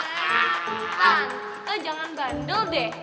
tante jangan bandel deh